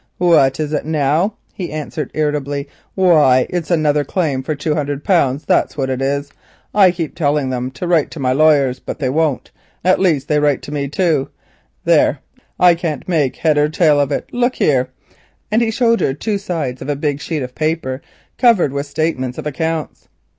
"What is it now?" he answered irritably. "What, it's another claim for two hundred, that's what it is. I keep telling them to write to my lawyers, but they won't, at least they write to me too. There, I can't make head or tail of it. Look here," and he showed her two sides of a big sheet of paper covered with statements of accounts.